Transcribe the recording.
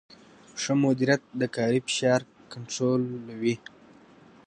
ښه مدیریت د کاري فشار کنټرولوي.